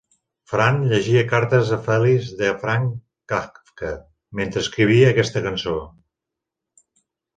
Fran llegia Cartes a Felice de Franz Kafka mentre escrivia aquesta cançó.